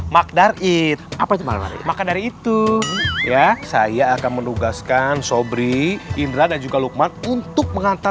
makar dari itu ya saya akan menugaskan sobri indra dan juga lukman untuk mengantar